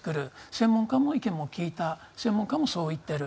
専門家の意見も聞いた専門家もそう言っている。